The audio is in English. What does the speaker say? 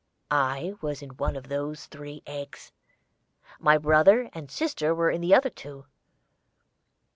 I was in one of those three eggs. My brother and my sister were in the other two.